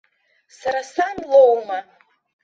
Сара сан лоума?